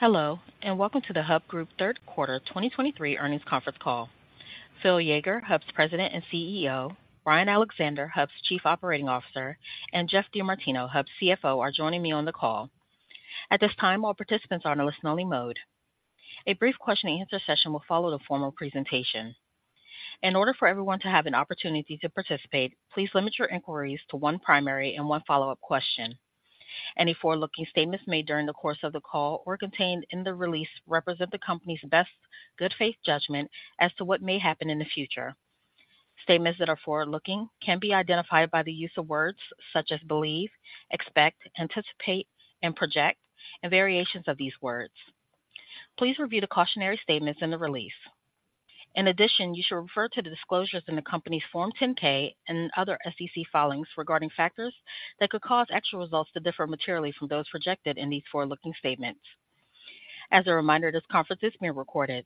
Hello, and welcome to the Hub Group third quarter 2023 earnings conference call. Phil Yeager, Hub's President and CEO, Brian Alexander, Hub's Chief Operating Officer, and Geoff DeMartino, Hub's CFO, are joining me on the call. At this time, all participants are in a listen-only mode. A brief question-and-answer session will follow the formal presentation. In order for everyone to have an opportunity to participate, please limit your inquiries to one primary and one follow-up question. Any forward-looking statements made during the course of the call or contained in the release represent the company's best good faith judgment as to what may happen in the future. Statements that are forward-looking can be identified by the use of words such as believe, expect, anticipate, and project, and variations of these words. Please review the cautionary statements in the release. In addition, you should refer to the disclosures in the company's Form 10-K and other SEC filings regarding factors that could cause actual results to differ materially from those projected in these forward-looking statements. As a reminder, this conference is being recorded.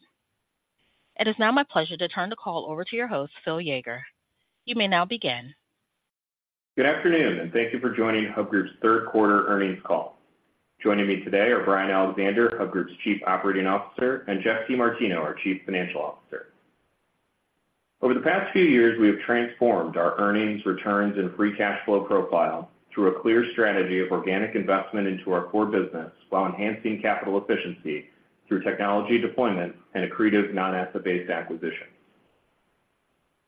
It is now my pleasure to turn the call over to your host, Phil Yeager. You may now begin. Good afternoon, and thank you for joining Hub Group's third quarter earnings call. Joining me today are Brian Alexander, Hub Group's Chief Operating Officer, and Geoff DeMartino, our Chief Financial Officer. Over the past few years, we have transformed our earnings, returns, and free cash flow profile through a clear strategy of organic investment into our core business, while enhancing capital efficiency through technology deployment and accretive non-asset-based acquisitions.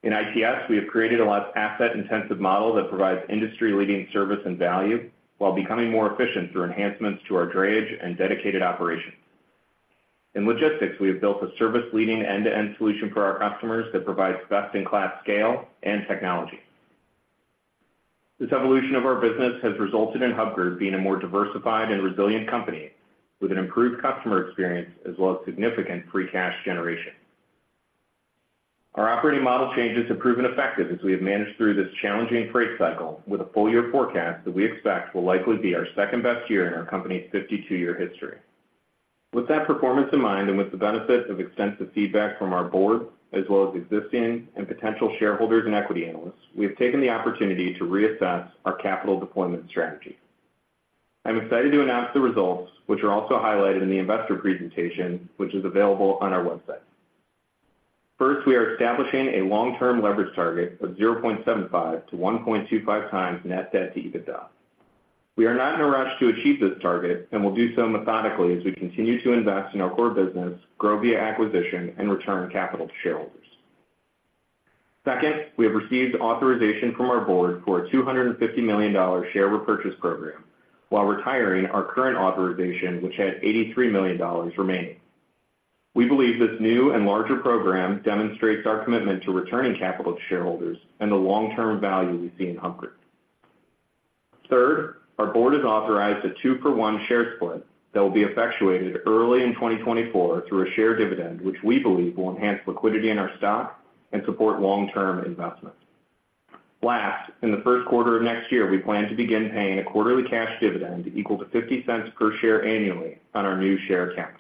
In ITS, we have created a less asset-intensive model that provides industry-leading service and value while becoming more efficient through enhancements to our drayage and dedicated operations. In logistics, we have built a service-leading end-to-end solution for our customers that provides best-in-class scale and technology. This evolution of our business has resulted in Hub Group being a more diversified and resilient company with an improved customer experience as well as significant free cash generation. Our operating model changes have proven effective as we have managed through this challenging freight cycle with a full year forecast that we expect will likely be our second-best year in our company's 52-year history. With that performance in mind, and with the benefit of extensive feedback from our board, as well as existing and potential shareholders and equity analysts, we have taken the opportunity to reassess our capital deployment strategy. I'm excited to announce the results, which are also highlighted in the investor presentation, which is available on our website. First, we are establishing a long-term leverage target of 0.75-1.25 times net debt to EBITDA. We are not in a rush to achieve this target and will do so methodically as we continue to invest in our core business, grow via acquisition, and return capital to shareholders. Second, we have received authorization from our board for a $250 million share repurchase program while retiring our current authorization, which had $83 million remaining. We believe this new and larger program demonstrates our commitment to returning capital to shareholders and the long-term value we see in Hub Group. Third, our board has authorized a two-for-one share split that will be effectuated early in 2024 through a share dividend, which we believe will enhance liquidity in our stock and support long-term investment. Last, in the first quarter of next year, we plan to begin paying a quarterly cash dividend equal to $0.50 per share annually on our new share count.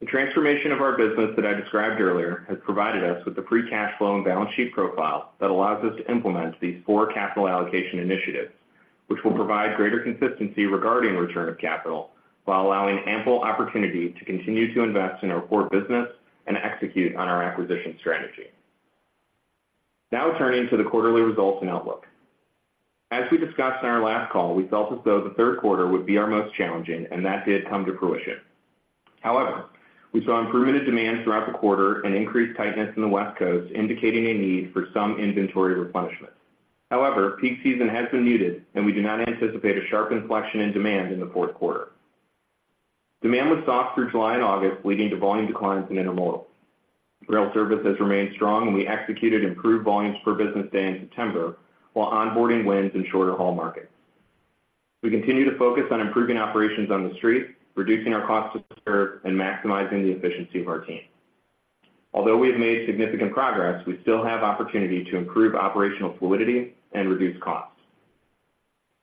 The transformation of our business that I described earlier has provided us with a free cash flow and balance sheet profile that allows us to implement these four capital allocation initiatives, which will provide greater consistency regarding return of capital, while allowing ample opportunity to continue to invest in our core business and execute on our acquisition strategy. Now turning to the quarterly results and outlook. As we discussed on our last call, we felt as though the third quarter would be our most challenging, and that did come to fruition. However, we saw improvement in demand throughout the quarter and increased tightness in the West Coast, indicating a need for some inventory replenishment. However, peak season has been muted and we do not anticipate a sharp inflection in demand in the fourth quarter. Demand was soft through July and August, leading to volume declines in intermodal. Rail service has remained strong and we executed improved volumes per business day in September, while onboarding wins in shorter haul markets. We continue to focus on improving operations on the street, reducing our cost to serve, and maximizing the efficiency of our team. Although we have made significant progress, we still have opportunity to improve operational fluidity and reduce costs.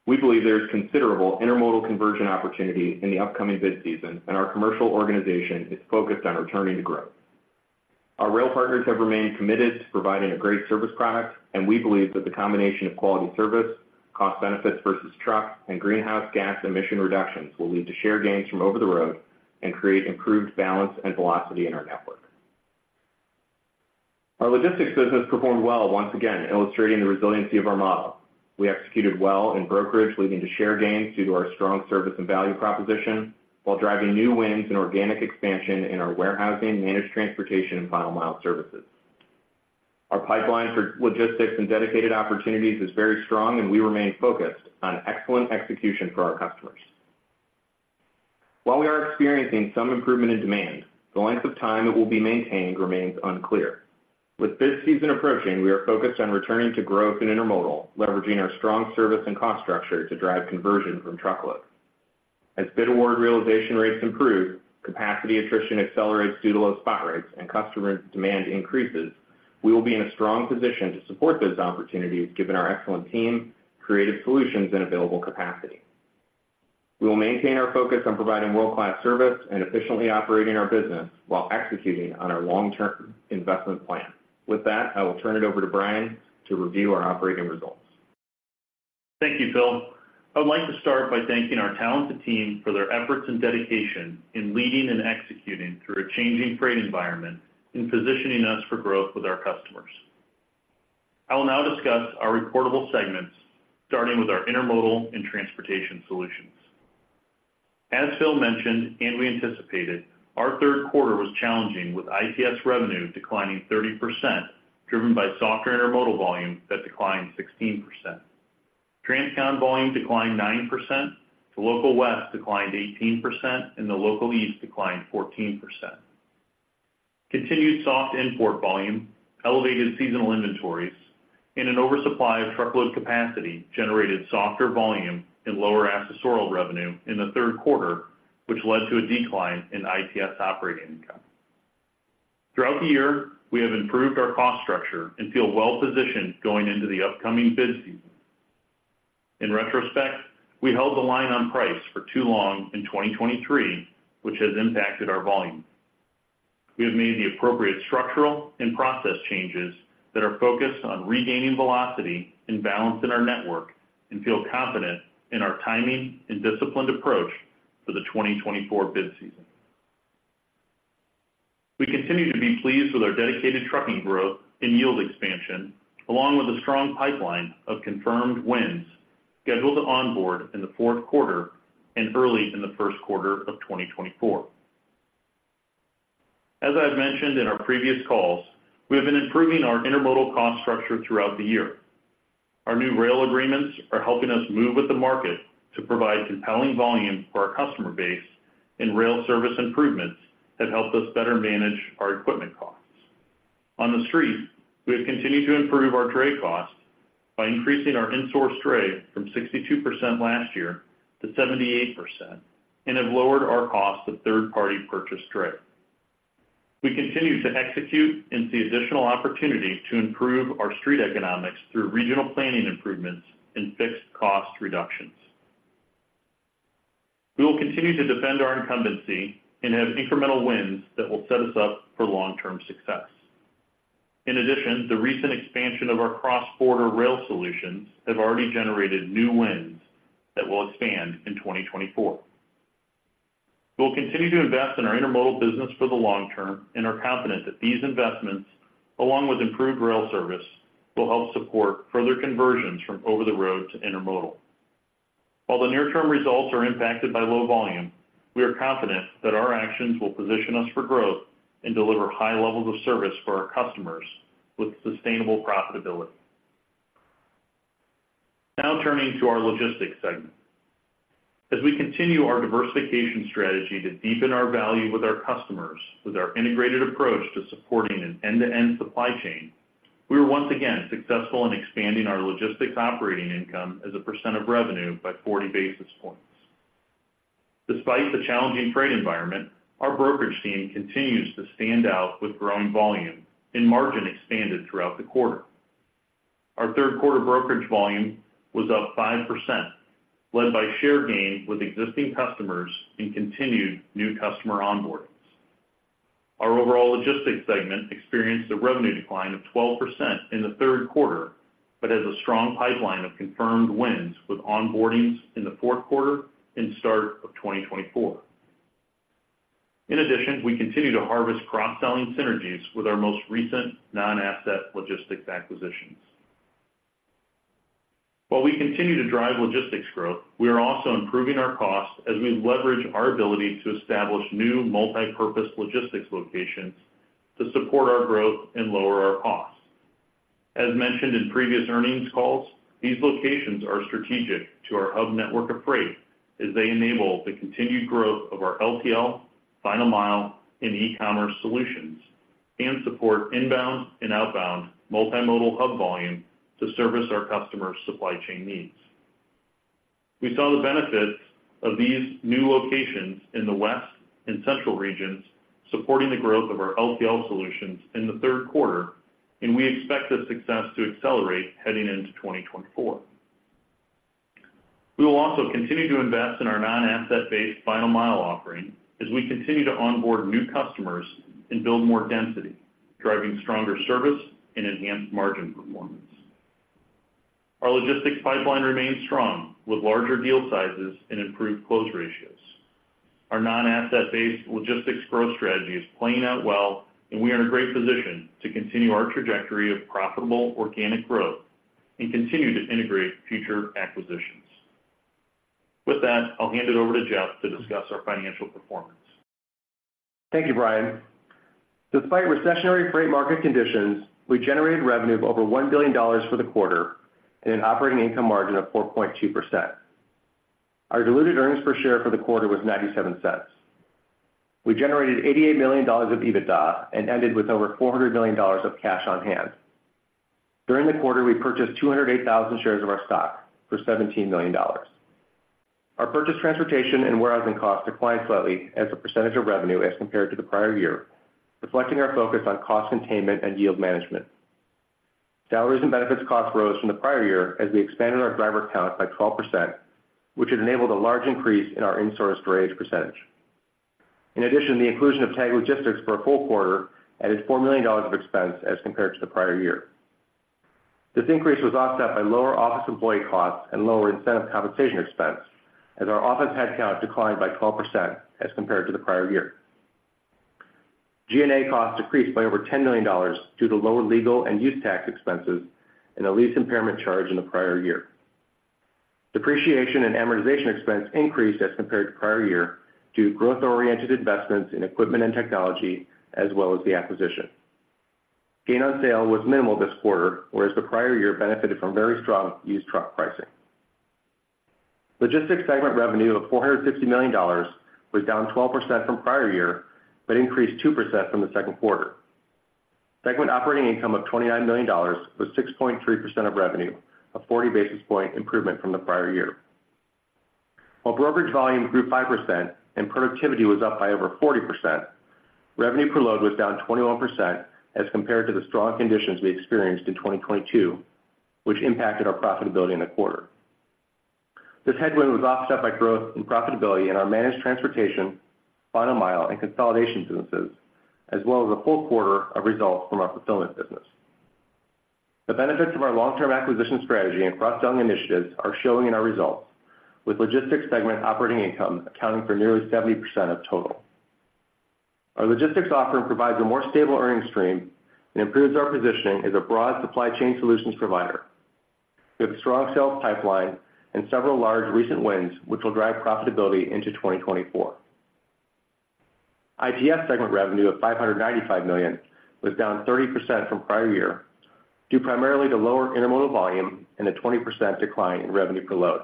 We believe there is considerable intermodal conversion opportunity in the upcoming bid season, and our commercial organization is focused on returning to growth. Our rail partners have remained committed to providing a great service product, and we believe that the combination of quality service, cost benefits versus truck, and greenhouse gas emission reductions will lead to share gains from over the road and create improved balance and velocity in our network. Our logistics business performed well once again, illustrating the resiliency of our model. We executed well in brokerage, leading to share gains due to our strong service and value proposition, while driving new wins and organic expansion in our warehousing, managed transportation, and final mile services. Our pipeline for logistics and dedicated opportunities is very strong, and we remain focused on excellent execution for our customers. While we are experiencing some improvement in demand, the length of time it will be maintained remains unclear. With bid season approaching, we are focused on returning to growth in intermodal, leveraging our strong service and cost structure to drive conversion from truckload. As bid award realization rates improve, capacity attrition accelerates due to low spot rates and customer demand increases, we will be in a strong position to support those opportunities, given our excellent team, creative solutions, and available capacity. We will maintain our focus on providing world-class service and efficiently operating our business while executing on our long-term investment plan. With that, I will turn it over to Brian to review our operating results. Thank you, Phil. I would like to start by thanking our talented team for their efforts and dedication in leading and executing through a changing freight environment and positioning us for growth with our customers. I will now discuss our reportable segments, starting with our Intermodal and Transportation Solutions. As Phil mentioned, and we anticipated, our third quarter was challenging, with ITS revenue declining 30%, driven by softer intermodal volume that declined 16%. Transcon volume declined 9%, the Local West declined 18%, and the Local East declined 14%. Continued soft import volume, elevated seasonal inventories, and an oversupply of truckload capacity generated softer volume and lower accessorial revenue in the third quarter, which led to a decline in ITS operating income. Throughout the year, we have improved our cost structure and feel well-positioned going into the upcoming bid season. In retrospect, we held the line on price for too long in 2023, which has impacted our volume. We have made the appropriate structural and process changes that are focused on regaining velocity and balance in our network and feel confident in our timing and disciplined approach for the 2024 bid season. We continue to be pleased with our dedicated trucking growth and yield expansion, along with a strong pipeline of confirmed wins scheduled to onboard in the fourth quarter and early in the first quarter of 2024. As I've mentioned in our previous calls, we have been improving our intermodal cost structure throughout the year. Our new rail agreements are helping us move with the market to provide compelling volume for our customer base, and rail service improvements have helped us better manage our equipment costs. On the street, we have continued to improve our dray costs by increasing our insourced dray from 62% last year to 78% and have lowered our cost of third-party purchased dray. We continue to execute and see additional opportunities to improve our street economics through regional planning improvements and fixed cost reductions. We will continue to defend our incumbency and have incremental wins that will set us up for long-term success. In addition, the recent expansion of our cross-border rail solutions have already generated new wins that will expand in 2024. We'll continue to invest in our intermodal business for the long term and are confident that these investments, along with improved rail service, will help support further conversions from over-the-road to intermodal. While the near-term results are impacted by low volume, we are confident that our actions will position us for growth and deliver high levels of service for our customers with sustainable profitability. Now turning to our Logistics segment. As we continue our diversification strategy to deepen our value with our customers, with our integrated approach to supporting an end-to-end supply chain, we were once again successful in expanding our Logistics operating income as a percent of revenue by 40 basis points. Despite the challenging freight environment, our brokerage team continues to stand out with growing volume, and margin expanded throughout the quarter. Our third quarter brokerage volume was up 5%, led by share gain with existing customers and continued new customer onboardings. Our overall Logistics segment experienced a revenue decline of 12% in the third quarter, but has a strong pipeline of confirmed wins, with onboardings in the fourth quarter and start of 2024. In addition, we continue to harvest cross-selling synergies with our most recent non-asset Logistics acquisitions. While we continue to drive Logistics growth, we are also improving our costs as we leverage our ability to establish new multipurpose Logistics locations to support our growth and lower our costs. As mentioned in previous earnings calls, these locations are strategic to our hub network of freight, as they enable the continued growth of our LTL, final mile, and e-commerce solutions, and support inbound and outbound multimodal hub volume to service our customers' supply chain needs. We saw the benefits of these new locations in the West and Central regions, supporting the growth of our LTL solutions in the third quarter, and we expect this success to accelerate heading into 2024. We will also continue to invest in our non-asset-based Final Mile offering as we continue to onboard new customers and build more density, driving stronger service and enhanced margin performance. Our Logistics pipeline remains strong, with larger deal sizes and improved close ratios. Our non-asset-based Logistics growth strategy is playing out well, and we are in a great position to continue our trajectory of profitable organic growth and continue to integrate future acquisitions. With that, I'll hand it over to Geoff to discuss our financial performance. Thank you, Brian. Despite recessionary freight market conditions, we generated revenue of over $1 billion for the quarter and an operating income margin of 4.2%. Our diluted earnings per share for the quarter was $0.97. We generated $88 million of EBITDA and ended with over $400 million of cash on hand. During the quarter, we purchased 208,000 shares of our stock for $17 million. Our purchased transportation and warehousing costs declined slightly as a percentage of revenue as compared to the prior year, reflecting our focus on cost containment and yield management. Salaries and benefits costs rose from the prior year as we expanded our driver count by 12%, which has enabled a large increase in our insourced drayage percentage.... In addition, the inclusion of TAGG Logistics for a full quarter added $4 million of expense as compared to the prior year. This increase was offset by lower office employee costs and lower incentive compensation expense, as our office headcount declined by 12% as compared to the prior year. G&A costs decreased by over $10 million due to lower legal and use tax expenses and a lease impairment charge in the prior year. Depreciation and amortization expense increased as compared to prior year due to growth-oriented investments in equipment and technology as well as the acquisition. Gain on sale was minimal this quarter, whereas the prior year benefited from very strong used truck pricing. Logistics segment revenue of $460 million was down 12% from prior year, but increased 2% from the second quarter. Segment operating income of $29 million was 6.3% of revenue, a 40 basis point improvement from the prior year. While brokerage volume grew 5% and productivity was up by over 40%, revenue per load was down 21% as compared to the strong conditions we experienced in 2022, which impacted our profitability in the quarter. This headwind was offset by growth in profitability in our managed transportation, final mile, and consolidation businesses, as well as a full quarter of results from our fulfillment business. The benefits of our long-term acquisition strategy and cross-selling initiatives are showing in our results, with logistics segment operating income accounting for nearly 70% of total. Our logistics offering provides a more stable earnings stream and improves our positioning as a broad supply chain solutions provider. We have a strong sales pipeline and several large recent wins, which will drive profitability into 2024. ITS segment revenue of $595 million was down 30% from prior year, due primarily to lower intermodal volume and a 20% decline in revenue per load.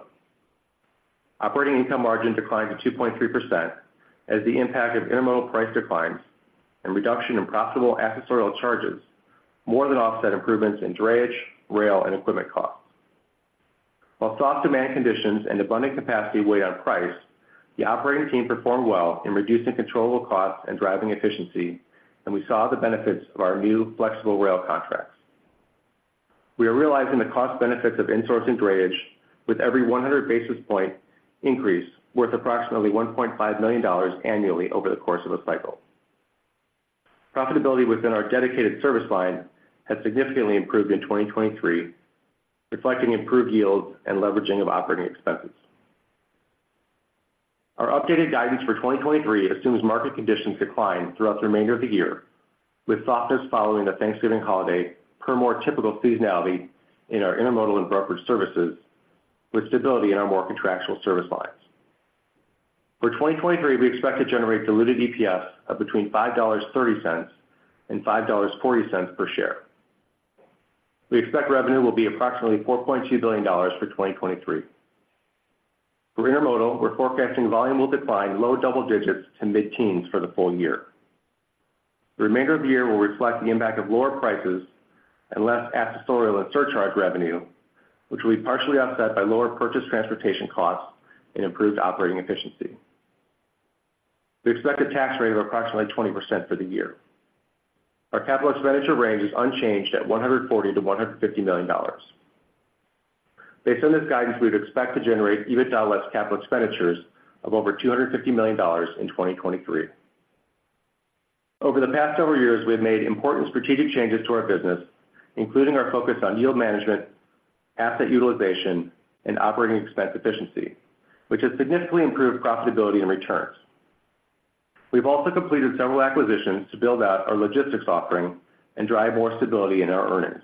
Operating income margin declined to 2.3% as the impact of intermodal price declines and reduction in profitable accessorial charges more than offset improvements in drayage, rail, and equipment costs. While soft demand conditions and abundant capacity weigh on price, the operating team performed well in reducing controllable costs and driving efficiency, and we saw the benefits of our new flexible rail contracts. We are realizing the cost benefits of insourcing drayage with every 100 basis point increase, worth approximately $1.5 million annually over the course of a cycle. Profitability within our dedicated service lines has significantly improved in 2023, reflecting improved yields and leveraging of operating expenses. Our updated guidance for 2023 assumes market conditions decline throughout the remainder of the year, with softness following the Thanksgiving holiday per more typical seasonality in our intermodal and brokerage services, with stability in our more contractual service lines. For 2023, we expect to generate diluted EPS of between $5.30 and $5.40 per share. We expect revenue will be approximately $4.2 billion for 2023. For intermodal, we're forecasting volume will decline low double digits to mid-teens for the full year. The remainder of the year will reflect the impact of lower prices and less accessorial and surcharge revenue, which will be partially offset by lower purchased transportation costs and improved operating efficiency. We expect a tax rate of approximately 20% for the year. Our capital expenditure range is unchanged at $140 million-$150 million. Based on this guidance, we would expect to generate EBITDA less capital expenditures of over $250 million in 2023. Over the past several years, we have made important strategic changes to our business, including our focus on yield management, asset utilization, and operating expense efficiency, which has significantly improved profitability and returns. We've also completed several acquisitions to build out our logistics offering and drive more stability in our earnings.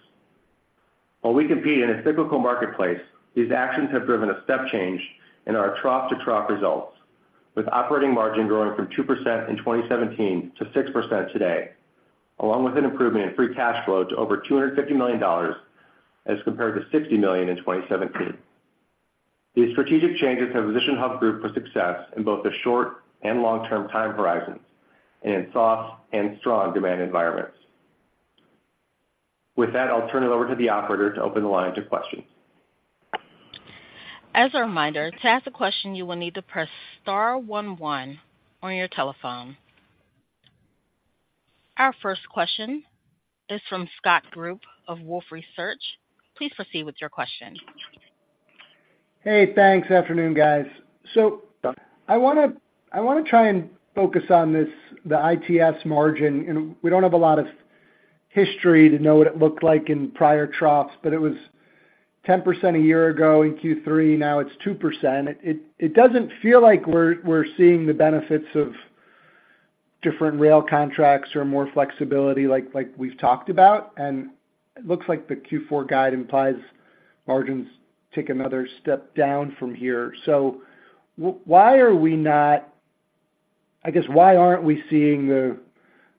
While we compete in a cyclical marketplace, these actions have driven a step change in our trough-to-trough results, with operating margin growing from 2% in 2017 - 6% today, along with an improvement in free cash flow to over $250 million, as compared to $60 million in 2017. These strategic changes have positioned Hub Group for success in both the short-term and long-term time horizons and in soft and strong demand environments. With that, I'll turn it over to the operator to open the line to questions. As a reminder, to ask a question, you will need to press star one one on your telephone. Our first question is from Scott Group of Wolfe Research. Please proceed with your question. Hey, thanks. Afternoon, guys. So I want to, I want to try and focus on this, the ITS margin, and we don't have a lot of history to know what it looked like in prior troughs, but it was 10% a year ago in Q3, now it's 2%. It, it, it doesn't feel like we're, we're seeing the benefits of different rail contracts or more flexibility like, like we've talked about, and it looks like the Q4 guide implies margins take another step down from here. So why are we not... I guess, why aren't we seeing the,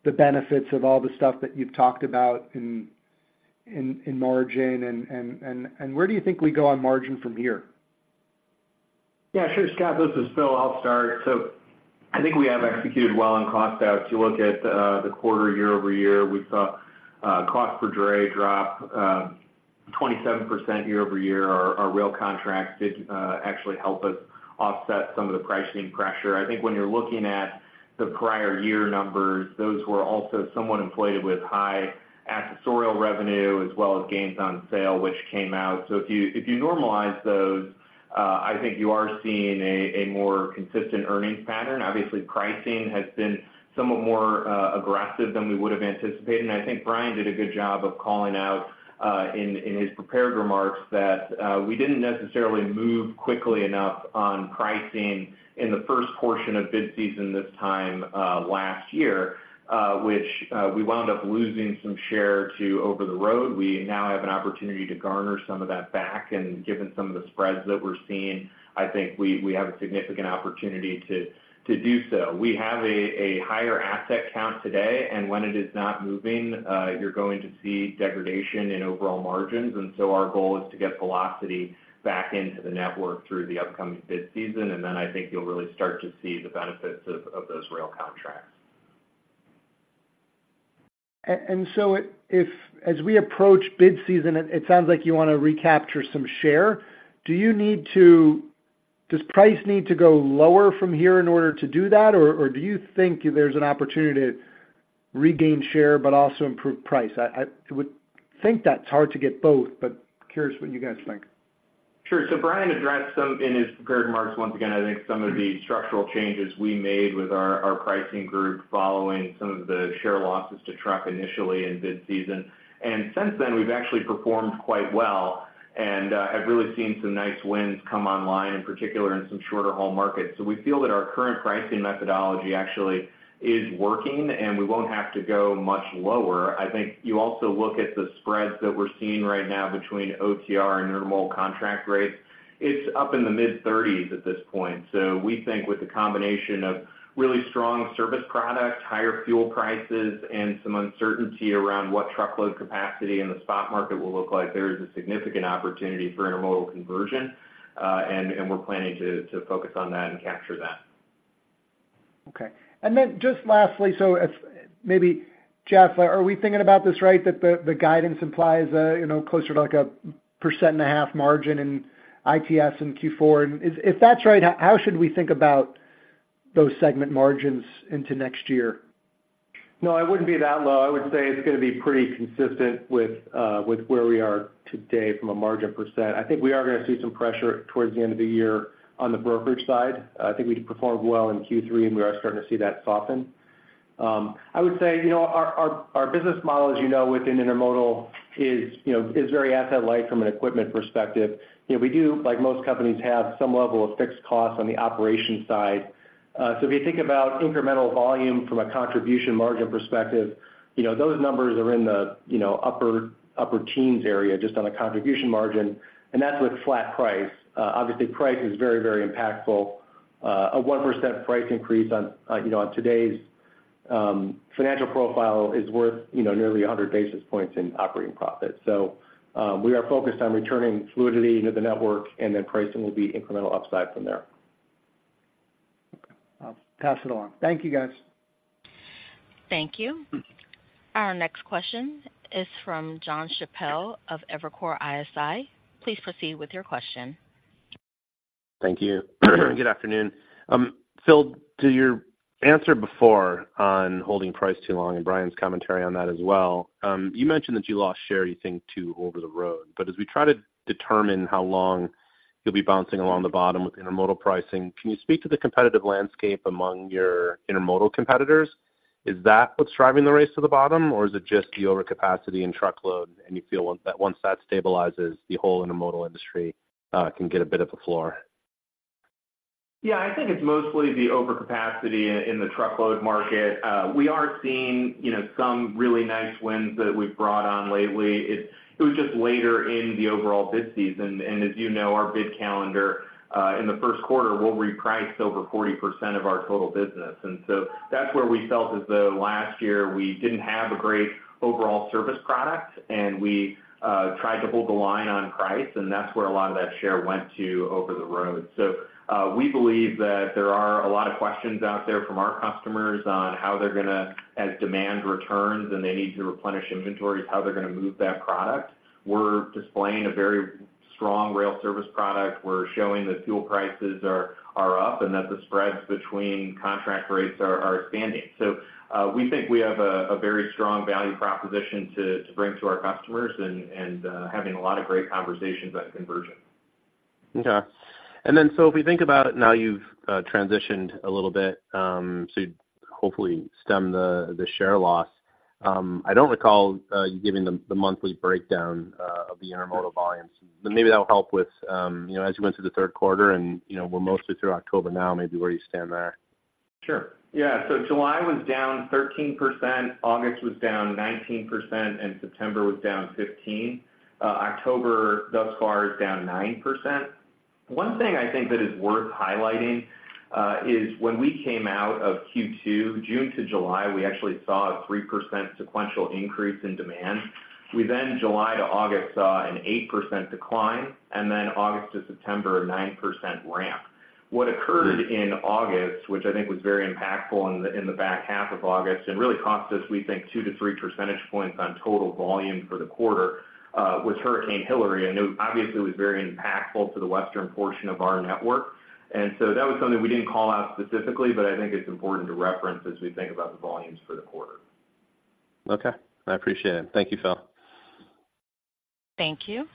the benefits of all the stuff that you've talked about in, in, in margin? And, and, and, and where do you think we go on margin from here? Yeah, sure, Scott, this is Phil. I'll start. So I think we have executed well on cost out. If you look at the quarter year-over-year, we saw cost per dray drop.... 27% year-over-year, our, our rail contracts did actually help us offset some of the pricing pressure. I think when you're looking at the prior year numbers, those were also somewhat inflated with high accessorial revenue, as well as gains on sale, which came out. So if you, if you normalize those, I think you are seeing a, a more consistent earnings pattern. Obviously, pricing has been somewhat more aggressive than we would have anticipated. And I think Brian did a good job of calling out in, in his prepared remarks that we didn't necessarily move quickly enough on pricing in the first portion of bid season this time last year, which we wound up losing some share to over the road. We now have an opportunity to garner some of that back, and given some of the spreads that we're seeing, I think we have a significant opportunity to do so. We have a higher asset count today, and when it is not moving, you're going to see degradation in overall margins. And so our goal is to get velocity back into the network through the upcoming Bid Season. And then I think you'll really start to see the benefits of those rail contracts. And so if, as we approach Bid Season, it sounds like you want to recapture some share. Do you need to... Does price need to go lower from here in order to do that? Or do you think there's an opportunity to regain share but also improve price? I would think that's hard to get both, but curious what you guys think. Sure. Brian addressed some in his prepared remarks. I think some of the structural changes we made with our pricing group, following some of the share losses to truck initially in bid season. Since then, we've actually performed quite well, and have really seen some nice wins come online, in particular in some shorter haul markets. We feel that our current pricing methodology actually is working, and we won't have to go much lower. I think you also look at the spreads that we're seeing right now between OTR and normal contract rates. It's up in the mid-30s at this point. So we think with a combination of really strong service product, higher fuel prices, and some uncertainty around what truckload capacity in the spot market will look like, there is a significant opportunity for intermodal conversion, and we're planning to focus on that and capture that. Okay. And then just lastly, as maybe, Geoff, are we thinking about this right, that the guidance implies, you know, closer to, like, a 1.5% margin in ITS in Q4? If that's right, how should we think about those segment margins into next year? No, it wouldn't be that low. I would say it's going to be pretty consistent with where we are today from a margin %. I think we are going to see some pressure towards the end of the year on the brokerage side. I think we performed well in Q3, and we are starting to see that soften. I would say, you know, our, our, our business model, as you know, within intermodal is, you know, is very asset light from an equipment perspective. You know, we do, like most companies, have some level of fixed costs on the operations side. So if you think about incremental volume from a contribution margin perspective, you know, those numbers are in the, you know, upper, upper teens area, just on a contribution margin, and that's with flat price. Obviously, price is very, very impactful. A 1% price increase on, you know, on today's financial profile is worth, you know, nearly 100 basis points in operating profit. So, we are focused on returning fluidity into the network, and then pricing will be incremental upside from there. Okay. I'll pass it on. Thank you, guys. Thank you. Our next question is from Jon Chappell of Evercore ISI. Please proceed with your question. Thank you. Good afternoon. Phil, to your answer before on holding price too long, and Brian's commentary on that as well, you mentioned that you lost share, you think, to over the road. As we try to determine how long you'll be bouncing along the bottom with intermodal pricing, can you speak to the competitive landscape among your intermodal competitors? Is that what's driving the race to the bottom, or is it just the overcapacity in truckload, and you feel that once that stabilizes, the whole intermodal industry can get a bit of a floor? Yeah, I think it's mostly the overcapacity in the truckload market. We are seeing, you know, some really nice wins that we've brought on lately. It was just later in the overall bid season, and as you know, our bid calendar in the first quarter will reprice over 40% of our total business. And so that's where we felt as though last year we didn't have a great overall service product, and we tried to hold the line on price, and that's where a lot of that share went to over the road. So we believe that there are a lot of questions out there from our customers on how they're gonna, as demand returns and they need to replenish inventories, how they're going to move that product. We're displaying a very strong rail service product. We're showing that fuel prices are up and that the spreads between contract rates are expanding. So, we think we have a very strong value proposition to bring to our customers and having a lot of great conversations on conversion. Okay. So if we think about it, now you've transitioned a little bit to hopefully stem the share loss. I don't recall you giving the monthly breakdown of the intermodal volumes, but maybe that would help with, you know, as you went through the third quarter and, you know, we're mostly through October now, maybe where you stand there. Sure. Yeah. So July was down 13%, August was down 19%, and September was down 15%. October, thus far, is down 9%. One thing I think that is worth highlighting is when we came out of Q2, June to July, we actually saw a 3% sequential increase in demand. We then, July to August, saw an 8% decline, and then August to September, a 9% ramp. What occurred in August, which I think was very impactful in the back half of August, and really cost us, we think, 2-3 percentage points on total volume for the quarter, was Hurricane Hilary. I know, obviously, it was very impactful to the western portion of our network. And so that was something we didn't call out specifically, but I think it's important to reference as we think about the volumes for the quarter. Okay, I appreciate it. Thank you, Phil. Thank you.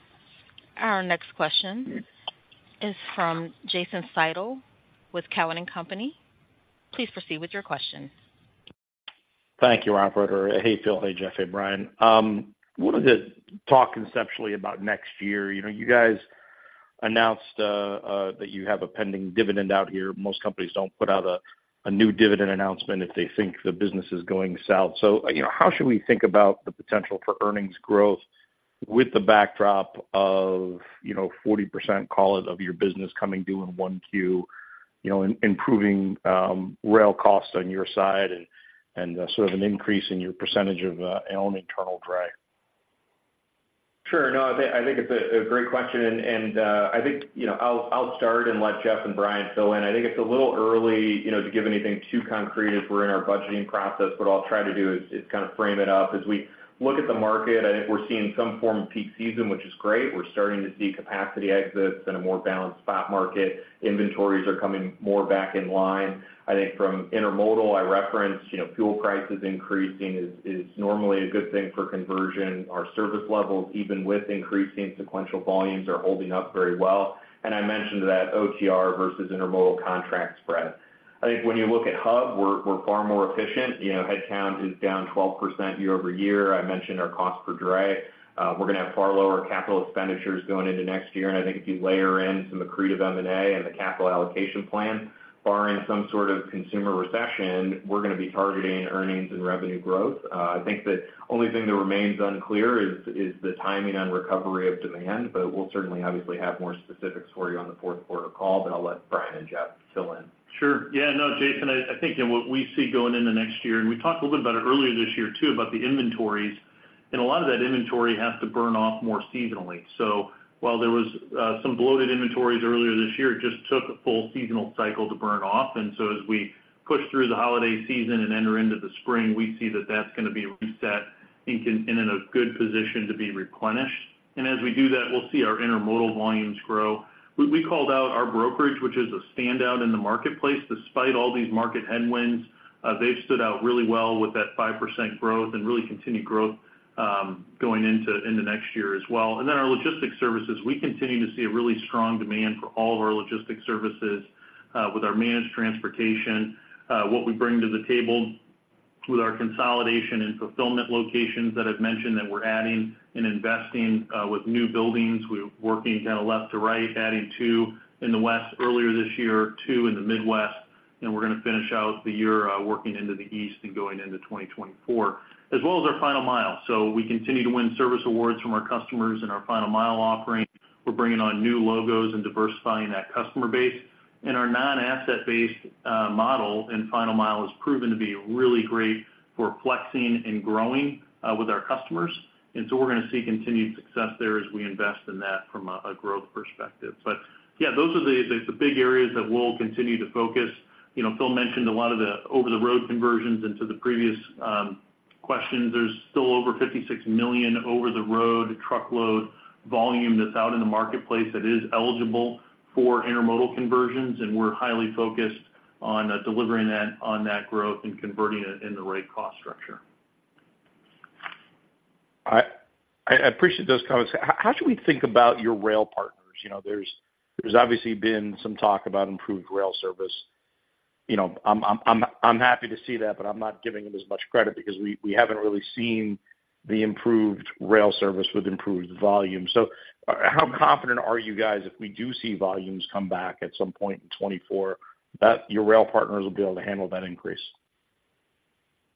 Our next question is from Jason Seidl with Cowen and Company. Please proceed with your question. Thank you, operator. Hey, Phil. Hey, Geoff. Hey, Brian. I wanted to talk conceptually about next year. You know, you guys announced that you have a pending dividend out here. Most companies don't put out a new dividend announcement if they think the business is going south. You know, how should we think about the potential for earnings growth with the backdrop of, you know, 40%, call it, of your business coming due in Q1, you know, improving rail costs on your side and, sort of an increase in your percentage of own internal dray? Sure. No, I think, I think it's a great question, and I think, you know, I'll start and let Geoff and Brian fill in. I think it's a little early, you know, to give anything too concrete, as we're in our budgeting process, but what I'll try to do is kind of frame it up. As we look at the market, I think we're seeing some form of peak season, which is great. We're starting to see capacity exits and a more balanced spot market. Inventories are coming more back in line. I think from intermodal, I referenced, you know, fuel prices increasing is normally a good thing for conversion. Our service levels, even with increasing sequential volumes, are holding up very well. I mentioned that OTR versus intermodal contract spread. I think when you look at Hub, we're far more efficient. You know, headcount is down 12% year-over-year. I mentioned our cost per dray. We're going to have far lower capital expenditures going into next year, and I think if you layer in some accretive M&A and the capital allocation plan, barring some sort of consumer recession, we're going to be targeting earnings and revenue growth. I think the only thing that remains unclear is, is the timing on recovery of demand, but we'll certainly obviously have more specifics for you on the fourth quarter call. I'll let Brian and Geoff fill in. Sure. Yeah, no, Jason, I, I think, you know, what we see going into next year, and we talked a little bit about it earlier this year, too, about the inventories, and a lot of that inventory has to burn off more seasonally. So while there was some bloated inventories earlier this year, it just took a full seasonal cycle to burn off. And so as we push through the holiday season and enter into the spring, we see that that's going to be reset and in a good position to be replenished. And as we do that, we'll see our intermodal volumes grow. We, we called out our brokerage, which is a standout in the marketplace. Despite all these market headwinds, they've stood out really well with that 5% growth and really continued growth going into next year as well. Our logistics services continue to see really strong demand for all of our logistics services, with our managed transportation, what we bring to the table with our consolidation and fulfillment locations that I've mentioned, that we're adding and investing, with new buildings. We're working kind of left to right, adding 2 in the West earlier this year, 2 in the Midwest, and we're going to finish out the year, working into the East and going into 2024. As well as our final mile. We continue to win service awards from our customers in our final mile offering. We're bringing on new logos and diversifying that customer base. And our non-asset-based model in final mile has proven to be really great for flexing and growing with our customers. We're going to see continued success there as we invest in that from a growth perspective. Yeah, those are the big areas that we'll continue to focus. You know, Phil mentioned a lot of the over-the-road conversions into the previous questions. There's still over $56 million over-the-road truckload volume that's out in the marketplace that is eligible for intermodal conversions, and we're highly focused on delivering that, on that growth and converting it in the right cost structure. I appreciate those comments. How should we think about your rail partners? You know, there's obviously been some talk about improved rail service. You know, I'm happy to see that, but I'm not giving them as much credit because we haven't really seen the improved rail service with improved volume. So how confident are you guys, if we do see volumes come back at some point in 2024, that your rail partners will be able to handle that increase?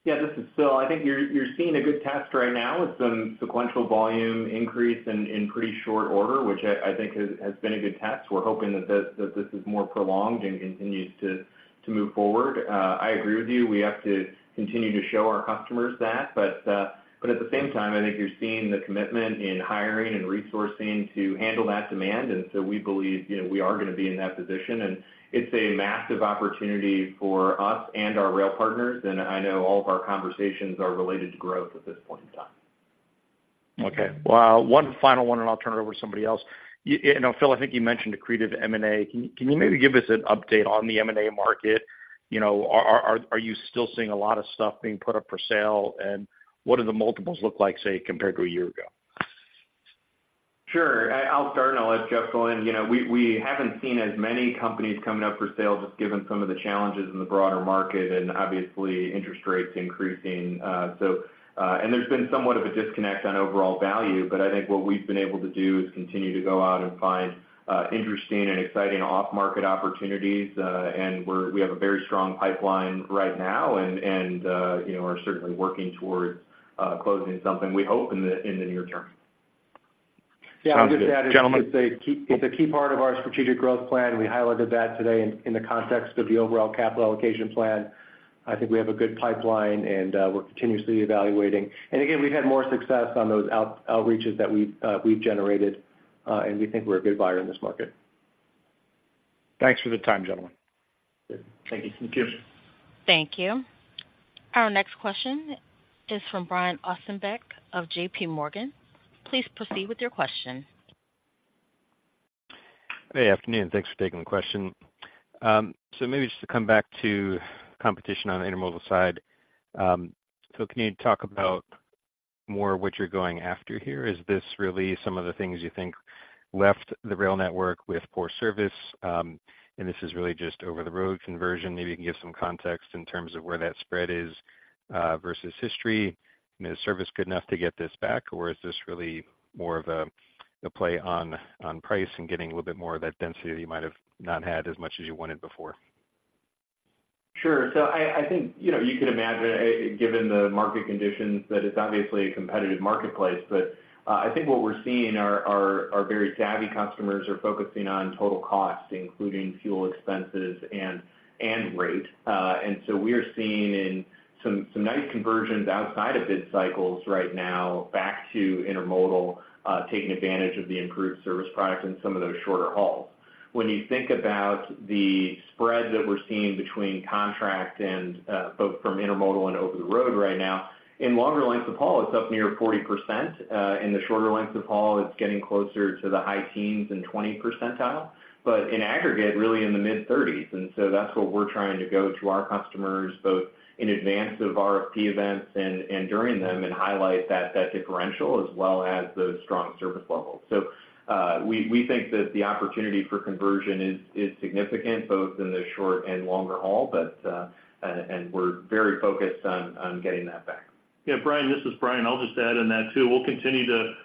Yeah, this is Phil. I think you're seeing a good test right now with some sequential volume increase in pretty short order, which I think has been a good test. We're hoping that this is more prolonged and continues to move forward. I agree with you. We have to continue to show our customers that, but at the same time, I think you're seeing the commitment in hiring and resourcing to handle that demand, and so we believe, you know, we are going to be in that position. It's a massive opportunity for us and our rail partners, and I know all of our conversations are related to growth at this point in time. Okay. Well, one final one, and I'll turn it over to somebody else. You know, Phil, I think you mentioned accretive M&A. Can you maybe give us an update on the M&A market? You know, are you still seeing a lot of stuff being put up for sale? And what do the multiples look like, say, compared to a year ago? Sure. I'll start, and I'll let Geoff go in. You know, we haven't seen as many companies coming up for sale, just given some of the challenges in the broader market and obviously interest rates increasing. So, and there's been somewhat of a disconnect on overall value, but I think what we've been able to do is continue to go out and find interesting and exciting off-market opportunities. And we have a very strong pipeline right now, and you know, are certainly working towards closing something, we hope, in the near term. Yeah, I'll just add- Gentlemen-... it's a key, it's a key part of our strategic growth plan. We highlighted that today in the context of the overall capital allocation plan. I think we have a good pipeline, and we're continuously evaluating. And again, we've had more success on those outreaches that we've generated, and we think we're a good buyer in this market.... Thanks for the time, gentlemen. Thank you. Thank you. Thank you. Our next question is from Brian Ossenbeck of J.P. Morgan. Please proceed with your question. Hey, afternoon. Thanks for taking the question. So maybe just to come back to competition on the intermodal side. So can you talk about more what you're going after here? Is this really some of the things you think left the rail network with poor service, and this is really just over-the-road conversion? Maybe you can give some context in terms of where that spread is versus history. I mean, is service good enough to get this back, or is this really more of a play on price and getting a little bit more of that density that you might have not had as much as you wanted before? Sure. So I think, you know, you could imagine, given the market conditions, that it's obviously a competitive marketplace. But I think what we're seeing are our very savvy customers are focusing on total cost, including fuel expenses and rate. And so we're seeing some nice conversions outside of bid cycles right now back to intermodal, taking advantage of the improved service product in some of those shorter hauls. When you think about the spread that we're seeing between contract and both from intermodal and over the road right now, in longer lengths of haul, it's up near 40%. In the shorter lengths of haul, it's getting closer to the high teens and 20 percentile, but in aggregate, really in the mid-30s. That's what we're trying to go to our customers, both in advance of RFP events and during them, and highlight that differential as well as those strong service levels. We think that the opportunity for conversion is significant, both in the short and longer haul, and we're very focused on getting that back. Yeah, Brian, this is Brian. I'll just add on that, too. We'll continue to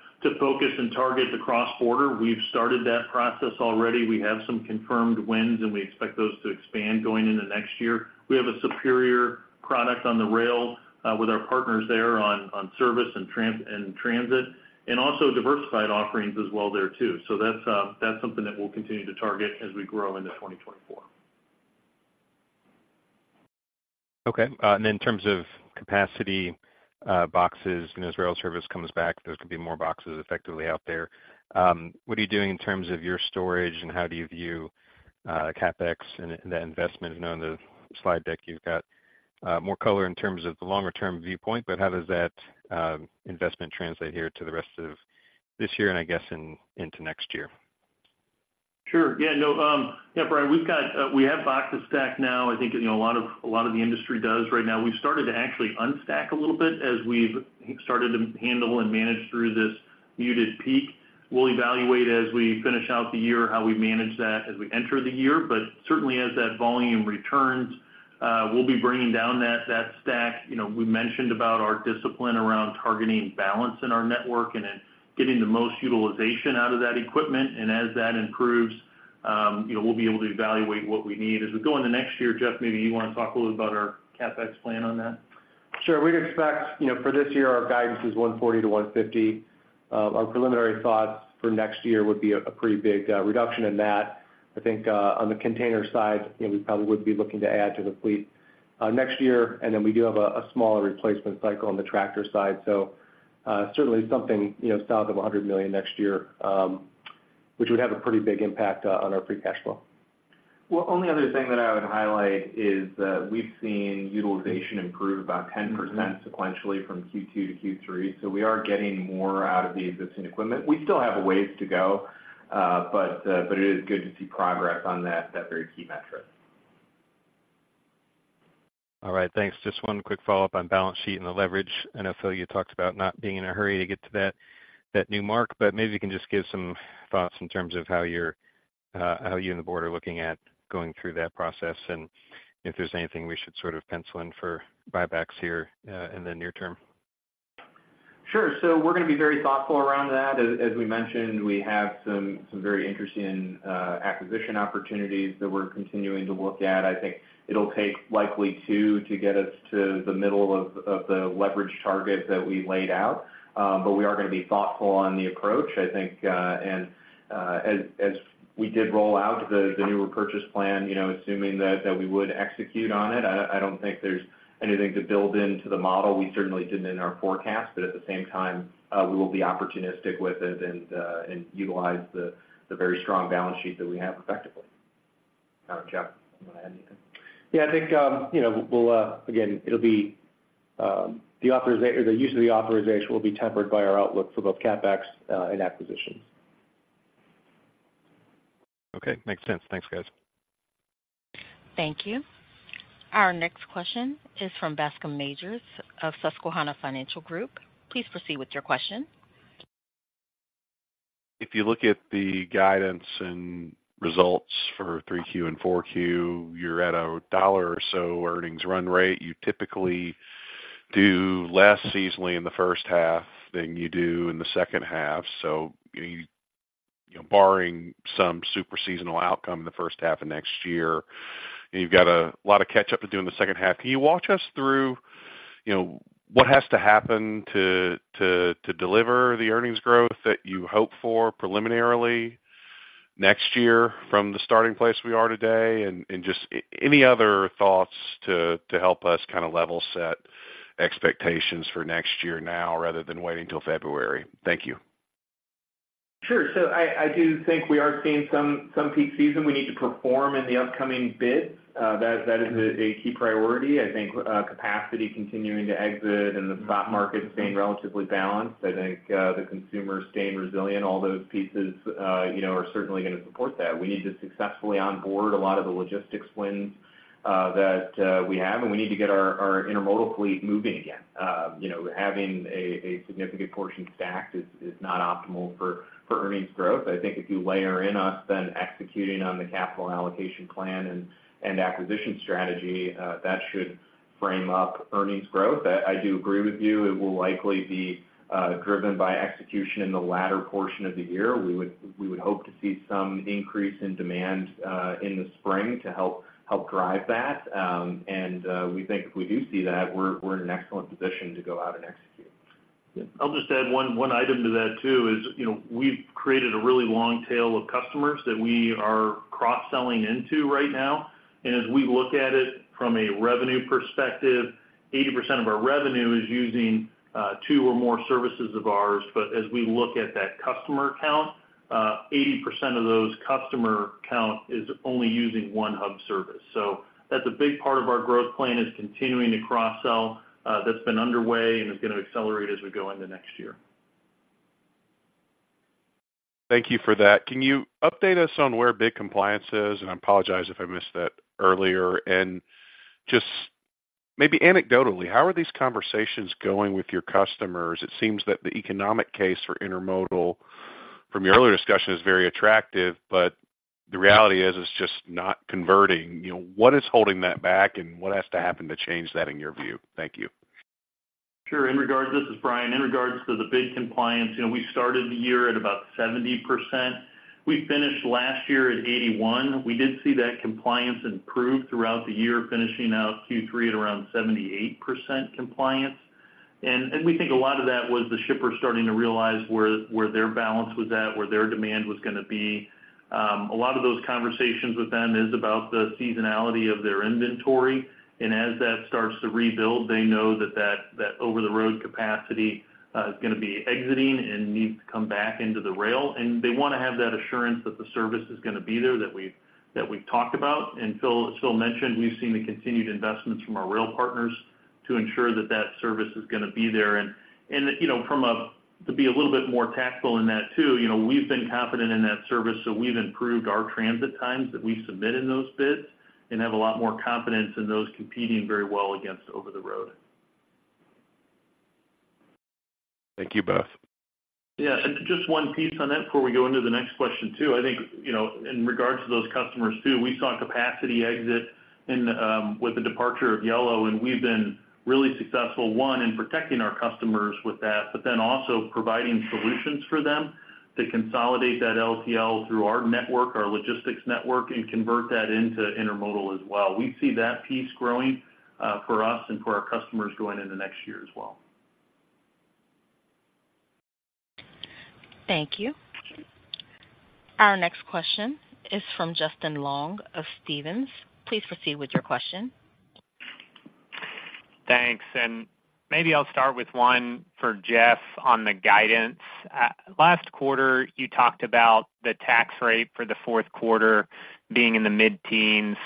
focus and target the cross-border. We've started that process already. We have some confirmed wins, and we expect those to expand going into next year. We have a superior product on the rail with our partners there on service and transit, and also diversified offerings as well there, too. So that's something that we'll continue to target as we grow into 2024. Okay. And in terms of capacity, boxes, and as rail service comes back, there's going to be more boxes effectively out there. What are you doing in terms of your storage, and how do you view CapEx and the investment? I know in the slide deck, you've got more color in terms of the longer-term viewpoint, but how does that investment translate here to the rest of this year and I guess in, into next year? Sure. Yeah, no, yeah, Brian, we've got, we have boxes stacked now. I think, you know, a lot of, a lot of the industry does right now. We've started to actually unstack a little bit as we've started to handle and manage through this muted peak. We'll evaluate as we finish out the year, how we manage that as we enter the year. But certainly as that volume returns, we'll be bringing down that, that stack. You know, we mentioned about our discipline around targeting balance in our network and then getting the most utilization out of that equipment. And as that improves, you know, we'll be able to evaluate what we need. As we go into next year, Geoff, maybe you want to talk a little about our CapEx plan on that. Sure. We'd expect, you know, for this year, our guidance is 140-$150. Our preliminary thoughts for next year would be a pretty big reduction in that. I think, on the container side, you know, we probably would be looking to add to the fleet, next year, and then we do have a smaller replacement cycle on the tractor side. So, certainly something, you know, south of $100 million next year, which would have a pretty big impact, on our free cash flow. Well, only other thing that I would highlight is that we've seen utilization improve about 10% sequentially from Q2 to Q3, so we are getting more out of the existing equipment. We still have a ways to go, but, but it is good to see progress on that, that very key metric. All right, thanks. Just one quick follow-up on balance sheet and the leverage. I know, Phil, you talked about not being in a hurry to get to that, that new mark, but maybe you can just give some thoughts in terms of how you're, how you and the board are looking at going through that process, and if there's anything we should sort of pencil in for buybacks here, in the near term. Sure. So we're going to be very thoughtful around that. As we mentioned, we have some very interesting acquisition opportunities that we're continuing to look at. I think it'll take likely two to get us to the middle of the leverage target that we laid out. But we are going to be thoughtful on the approach. I think and as we did roll out the newer purchase plan, you know, assuming that we would execute on it, I don't think there's anything to build into the model. We certainly didn't in our forecast, but at the same time, we will be opportunistic with it and utilize the very strong balance sheet that we have effectively. I don't know, Geoff, you want to add anything? Yeah, I think, you know, we'll... Again, it'll be the use of the authorization will be tempered by our outlook for both CapEx and acquisitions. Okay, makes sense. Thanks, guys. Thank you. Our next question is from Bascom Majors of Susquehanna Financial Group. Please proceed with your question. If you look at the guidance and results for 3Q and 4Q, you're at $1 or so earnings run rate. You typically do less seasonally in the first half than you do in the second half. So, you know, barring some super seasonal outcome in the first half of next year, and you've got a lot of catch up to do in the second half. Can you walk us through, you know, what has to happen to deliver the earnings growth that you hope for preliminarily next year from the starting place we are today? And just any other thoughts to help us kind of level set expectations for next year now, rather than waiting till February. Thank you. ... Sure. So I do think we are seeing some peak season. We need to perform in the upcoming bids, that is a key priority. I think, capacity continuing to exit and the spot market staying relatively balanced. I think, the consumer staying resilient, all those pieces, you know, are certainly going to support that. We need to successfully onboard a lot of the logistics wins that we have, and we need to get our intermodal fleet moving again. You know, having a significant portion stacked is not optimal for earnings growth. I think if you layer in us then executing on the capital allocation plan and acquisition strategy, that should frame up earnings growth. I do agree with you, it will likely be driven by execution in the latter portion of the year. We would hope to see some increase in demand in the spring to help drive that. We think if we do see that, we're in an excellent position to go out and execute. Yeah. I'll just add one item to that, too, is, you know, we've created a really long tail of customers that we are cross-selling into right now. And as we look at it from a revenue perspective, 80% of our revenue is using two or more services of ours. But as we look at that customer count, 80% of those customer count is only using one hub service. So that's a big part of our growth plan, is continuing to cross-sell, that's been underway and is going to accelerate as we go into next year. Thank you for that. Can you update us on where bid compliance is? I apologize if I missed that earlier. Just maybe anecdotally, how are these conversations going with your customers? It seems that the economic case for intermodal, from your earlier discussion, is very attractive, but the reality is, it's just not converting. You know, what is holding that back, and what has to happen to change that, in your view? Thank you. Sure. This is Brian. In regards to the big compliance, you know, we started the year at about 70%. We finished last year at 81. We did see that compliance improve throughout the year, finishing out Q3 at around 78% compliance. And we think a lot of that was the shippers starting to realize where their balance was at, where their demand was going to be. A lot of those conversations with them is about the seasonality of their inventory, and as that starts to rebuild, they know that that over-the-road capacity is going to be exiting and needs to come back into the rail. And they want to have that assurance that the service is going to be there, that we've talked about. And Phil, as Phil mentioned, we've seen the continued investments from our rail partners to ensure that that service is going to be there. You know, to be a little bit more tactful in that, too, you know, we've been confident in that service, so we've improved our transit times that we submit in those bids and have a lot more confidence in those competing very well against over the road. Thank you both. Yeah, and just one piece on that before we go into the next question, too. I think, you know, in regards to those customers, too, we saw capacity exit in with the departure of Yellow, and we've been really successful, one, in protecting our customers with that, but then also providing solutions for them to consolidate that LTL through our network, our logistics network, and convert that into intermodal as well. We see that piece growing for us and for our customers going into next year as well. Thank you. Our next question is from Justin Long of Stephens. Please proceed with your question. Thanks, and maybe I'll start with one for Geoff on the guidance. Last quarter, you talked about the tax rate for the fourth quarter being in the mid-teens.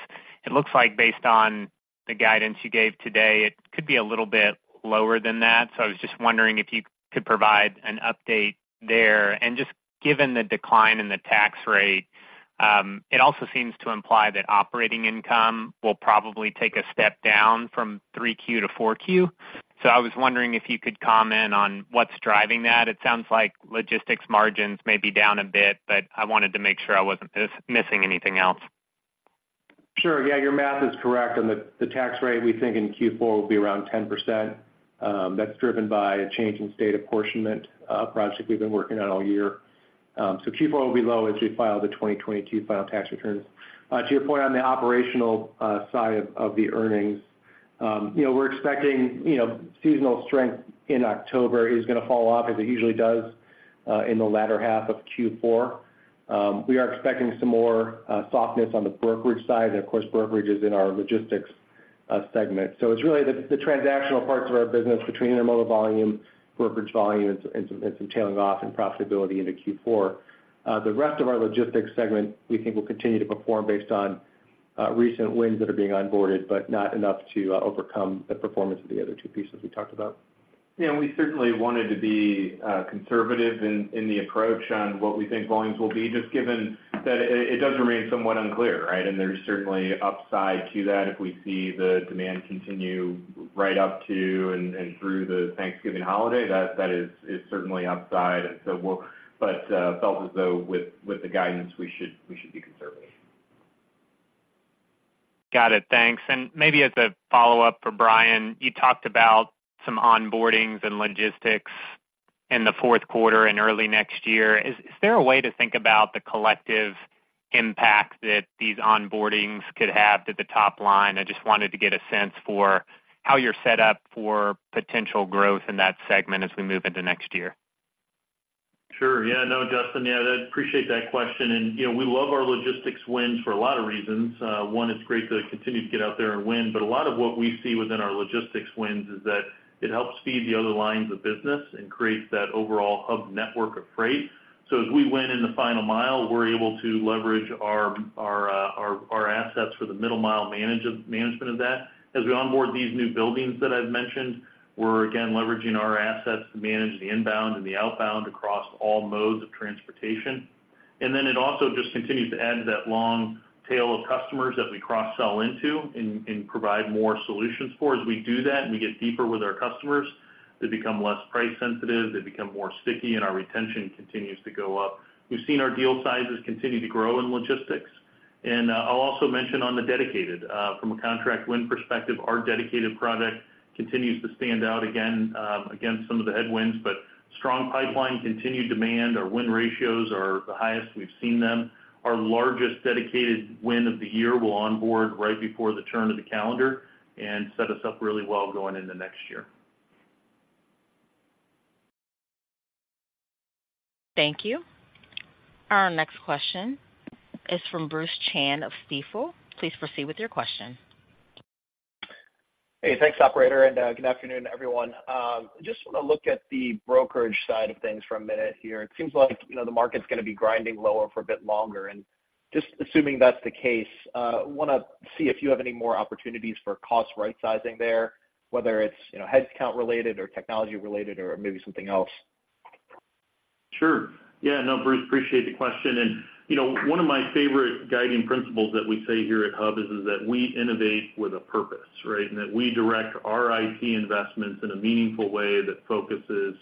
It looks like based on the guidance you gave today, it could be a little bit lower than that. So I was just wondering if you could provide an update there. And just given the decline in the tax rate, it also seems to imply that operating income will probably take a step down from 3Q-4Q. I was wondering if you could comment on what's driving that. It sounds like logistics margins may be down a bit, but I wanted to make sure I wasn't missing anything else. Sure. Yeah, your math is correct. On the tax rate, we think in Q4 will be around 10%. That's driven by a change in state apportionment project we've been working on all year. So Q4 will be low as we file the 2022 final tax returns. To your point on the operational side of the earnings, you know, we're expecting, you know, seasonal strength in October is going to fall off, as it usually does, in the latter half of Q4. We are expecting some more softness on the brokerage side, and of course, brokerage is in our logistics segment. So it's really the transactional parts of our business between intermodal volume, brokerage volume, and some tailing off in profitability into Q4. The rest of our logistics segment, we think, will continue to perform based on recent wins that are being onboarded, but not enough to overcome the performance of the other two pieces we talked about. Yeah, we certainly wanted to be conservative in the approach on what we think volumes will be, just given that it does remain somewhat unclear, right? And there's certainly upside to that. If we see the demand continue right up to and through the Thanksgiving holiday, that is certainly upside. And so we'll—but felt as though with the guidance, we should be conservative. Got it. Thanks. And maybe as a follow-up for Brian, you talked about some onboardings and logistics in the fourth quarter and early next year. Is there a way to think about the collective impact that these onboardings could have to the top line? I just wanted to get a sense for how you're set up for potential growth in that segment as we move into next year. Sure. Yeah, no, Justin, yeah, I appreciate that question. And, you know, we love our logistics wins for a lot of reasons. One, it's great to continue to get out there and win, but a lot of what we see within our logistics wins is that it helps feed the other lines of business and creates that overall Hub network of freight. So as we win in the final mile, we're able to leverage our assets for the middle mile management of that. As we onboard these new buildings that I've mentioned, we're again leveraging our assets to manage the inbound and the outbound across all modes of transportation. And then it also just continues to add to that long tail of customers that we cross-sell into and provide more solutions for. As we do that, and we get deeper with our customers, they become less price sensitive, they become more sticky, and our retention continues to go up. We've seen our deal sizes continue to grow in logistics. I'll also mention on the dedicated, from a contract win perspective, our dedicated product continues to stand out again against some of the headwinds, but strong pipeline, continued demand. Our win ratios are the highest we've seen them. Our largest dedicated win of the year will onboard right before the turn of the calendar and set us up really well going into next year. Thank you. Our next question is from Bruce Chan of Stifel. Please proceed with your question. Hey, thanks, operator, and good afternoon, everyone. Just want to look at the brokerage side of things for a minute here. It seems like, you know, the market's going to be grinding lower for a bit longer, and just assuming that's the case, want to see if you have any more opportunities for cost rightsizing there, whether it's, you know, headcount related or technology related, or maybe something else? Sure. Yeah, no, Bruce, appreciate the question. And, you know, one of my favorite guiding principles that we say here at Hub is, is that we innovate with a purpose, right? And that we direct our IT investments in a meaningful way that focuses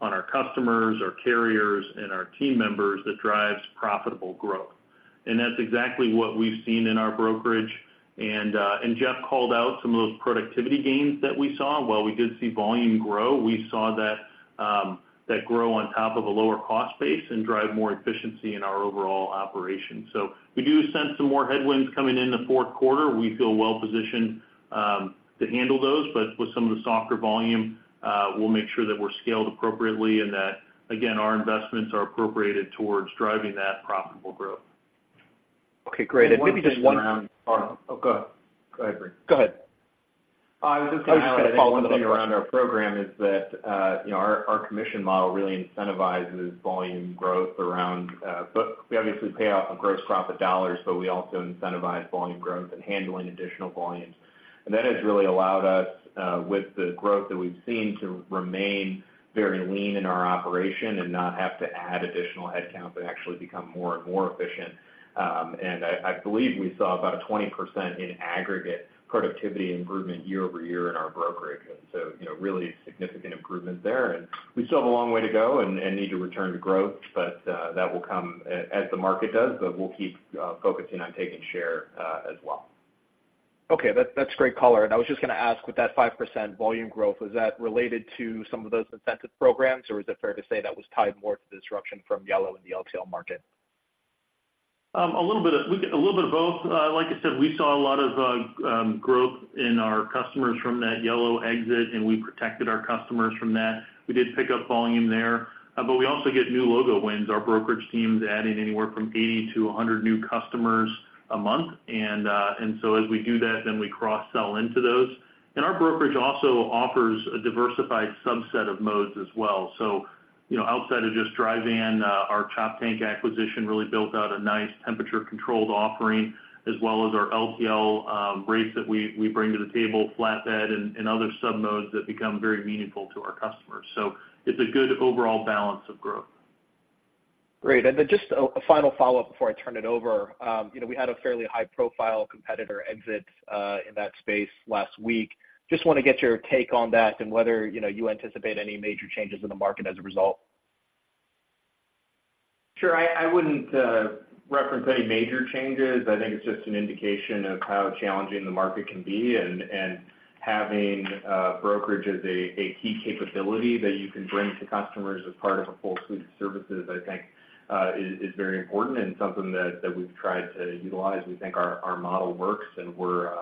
on our customers, our carriers, and our team members, that drives profitable growth. And that's exactly what we've seen in our brokerage. And, and Geoff called out some of those productivity gains that we saw. While we did see volume grow, we saw that, that grow on top of a lower cost base and drive more efficiency in our overall operation. So we do sense some more headwinds coming in the fourth quarter. We feel well positioned to handle those, but with some of the softer volume, we'll make sure that we're scaled appropriately and that, again, our investments are appropriated towards driving that profitable growth. Okay, great. I think just one- Oh, go ahead. Go ahead, Bruce. Go ahead. I was just going to add one thing around our program is that, you know, our commission model really incentivizes volume growth around, but we obviously pay off of gross profit dollars, but we also incentivize volume growth and handling additional volumes. And that has really allowed us, with the growth that we've seen, to remain very lean in our operation and not have to add additional headcount, but actually become more and more efficient. And I believe we saw about a 20% in aggregate productivity improvement year-over-year in our brokerage. And so, you know, really significant improvements there, and we still have a long way to go and need to return to growth, but that will come as the market does, but we'll keep focusing on taking share, as well. Okay, that's, that's great color. And I was just going to ask, with that 5% volume growth, was that related to some of those incentive programs, or is it fair to say that was tied more to the disruption from Yellow in the LTL market? A little bit of both. Like I said, we saw a lot of growth in our customers from that Yellow exit, and we protected our customers from that. We did pick up volume there, but we also get new logo wins. Our brokerage team's adding anywhere from 80-100 new customers a month. And so as we do that, then we cross-sell into those. And our brokerage also offers a diversified subset of modes as well. So you know, outside of just dry van, our Choptank acquisition really built out a nice temperature-controlled offering, as well as our LTL rates that we bring to the table, flatbed and other submodes that become very meaningful to our customers. So it's a good overall balance of growth. Great. And then just a final follow-up before I turn it over. You know, we had a fairly high-profile competitor exit in that space last week. Just want to get your take on that and whether, you know, you anticipate any major changes in the market as a result. Sure. I wouldn't reference any major changes. I think it's just an indication of how challenging the market can be, and having brokerage as a key capability that you can bring to customers as part of a full suite of services, I think, is very important and something that we've tried to utilize. We think our model works, and we're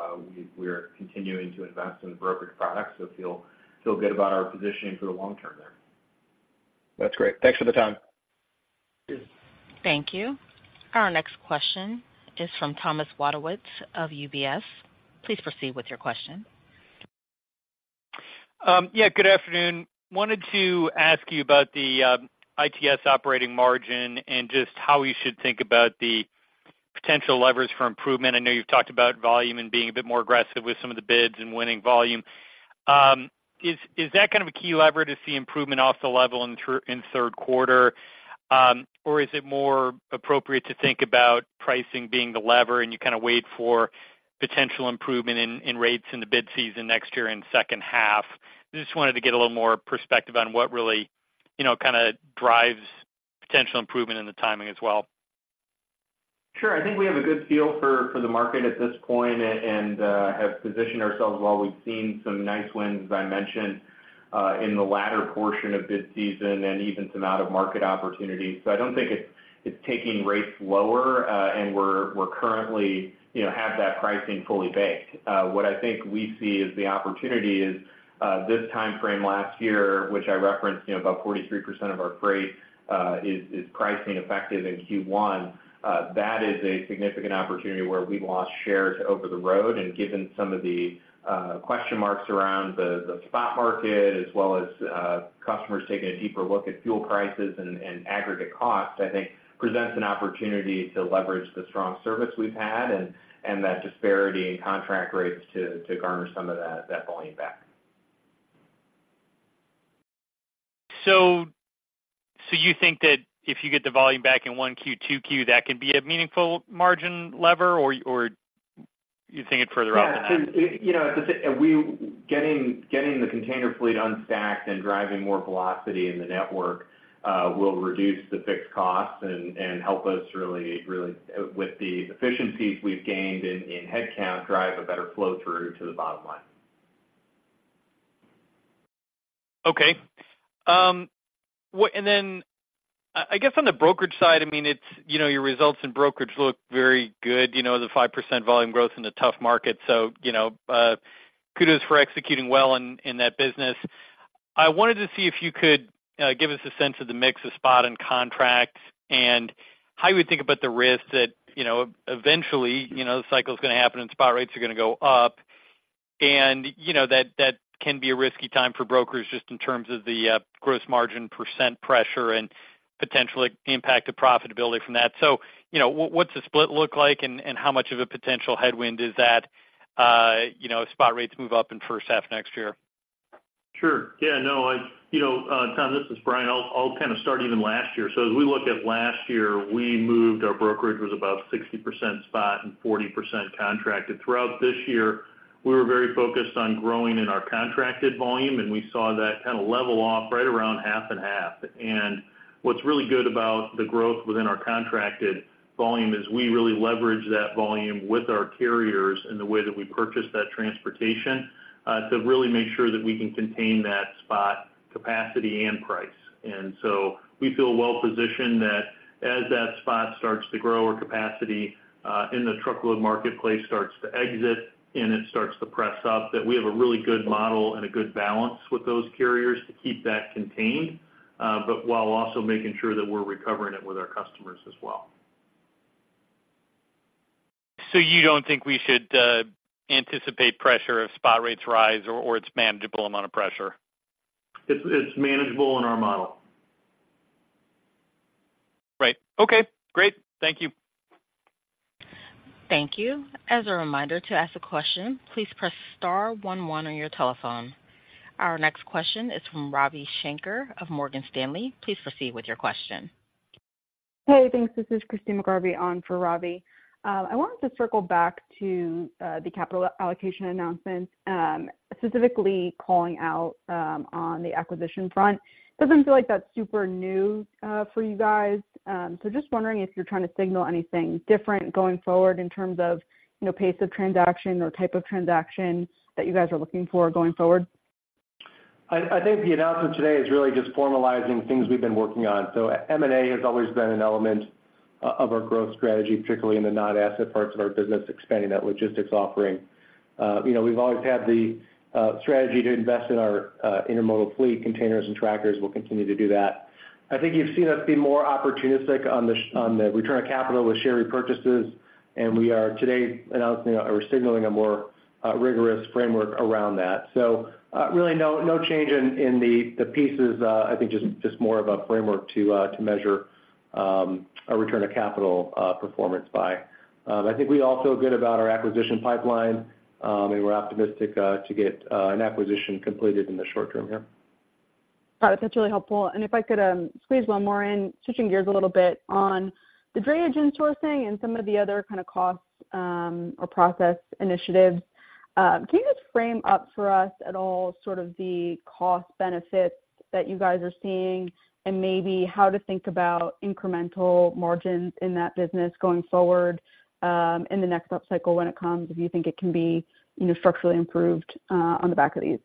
continuing to invest in the brokerage product, so feel good about our positioning for the long term there. That's great. Thanks for the time. Sure. Thank you. Our next question is from Thomas Wadewitz of UBS. Please proceed with your question. Yeah, good afternoon. Wanted to ask you about the ITS operating margin and just how we should think about the potential levers for improvement. I know you've talked about volume and being a bit more aggressive with some of the bids and winning volume. Is that kind of a key lever to see improvement off the level in third quarter? Or is it more appropriate to think about pricing being the lever, and you kind of wait for potential improvement in rates in the bid season next year in second half? I just wanted to get a little more perspective on what really, you know, kind of drives potential improvement in the timing as well. Sure. I think we have a good feel for the market at this point and have positioned ourselves well. We've seen some nice wins, as I mentioned, in the latter portion of bid season and even some out-of-market opportunities. So I don't think it's-... it's taking rates lower, and we're, we're currently, you know, have that pricing fully baked. What I think we see as the opportunity is, this timeframe last year, which I referenced, you know, about 43% of our freight, is, is pricing effective in Q1. That is a significant opportunity where we lost shares over the road, and given some of the, question marks around the, the spot market, as well as, customers taking a deeper look at fuel prices and, and aggregate costs, I think presents an opportunity to leverage the strong service we've had and, and that disparity in contract rates to, to garner some of that, that volume back. So, you think that if you get the volume back in 1Q,2Q, that could be a meaningful margin lever, or you think it further out than that? Yeah, so, you know, at the same, we getting, getting the container fleet unstacked and driving more velocity in the network will reduce the fixed costs and, and help us really, really, with the efficiencies we've gained in, in headcount, drive a better flow-through to the bottom line. Okay. And then, I guess on the brokerage side, I mean, it's, you know, your results in brokerage look very good, you know, the 5% volume growth in a tough market. So, you know, kudos for executing well in that business. I wanted to see if you could give us a sense of the mix of spot and contract, and how you would think about the risks that, you know, eventually, you know, the cycle is going to happen and spot rates are going to go up. And, you know, that, that can be a risky time for brokers just in terms of the gross margin percent pressure and potentially the impact of profitability from that. So, you know, what's the split look like, and how much of a potential headwind is that, you know, if spot rates move up in first half next year? Sure. Yeah, no, you know, Tom, this is Brian. I'll kind of start even last year. So as we look at last year, we moved, our brokerage was about 60% spot and 40% contracted. Throughout this year, we were very focused on growing in our contracted volume, and we saw that kind of level off right around 50/50. And what's really good about the growth within our contracted volume is we really leverage that volume with our carriers in the way that we purchase that transportation to really make sure that we can contain that spot, capacity, and price. And so we feel well positioned that as that spot starts to grow, our capacity in the truckload marketplace starts to exit, and it starts to press up, that we have a really good model and a good balance with those carriers to keep that contained, but while also making sure that we're recovering it with our customers as well. So you don't think we should anticipate pressure if spot rates rise or it's manageable amount of pressure? It's manageable in our model. Right. Okay, great. Thank you. Thank you. As a reminder, to ask a question, please press star one one on your telephone. Our next question is from Ravi Shanker of Morgan Stanley. Please proceed with your question. Hey, thanks. This is Christyne McGarvey on for Ravi. I wanted to circle back to the capital allocation announcement, specifically calling out on the acquisition front. Doesn't feel like that's super new for you guys. So just wondering if you're trying to signal anything different going forward in terms of, you know, pace of transaction or type of transaction that you guys are looking for going forward? I think the announcement today is really just formalizing things we've been working on. So M&A has always been an element of our growth strategy, particularly in the non-asset parts of our business, expanding that logistics offering. You know, we've always had the strategy to invest in our intermodal fleet, containers and tractors. We'll continue to do that. I think you've seen us be more opportunistic on the return of capital with share repurchases, and we are today announcing, or we're signaling a more rigorous framework around that. So, really no change in the pieces. I think just more of a framework to measure a return of capital performance by. I think we all feel good about our acquisition pipeline, and we're optimistic to get an acquisition completed in the short term here. Got it. That's really helpful. And if I could, squeeze one more in, switching gears a little bit on the drayage and sourcing and some of the other kind of costs, or process initiatives. Can you just frame up for us at all, sort of the cost benefits that you guys are seeing and maybe how to think about incremental margins in that business going forward, in the next upcycle when it comes, if you think it can be, you know, structurally improved, on the back of these?